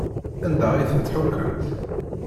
Anda ay ten-tḥukkemt?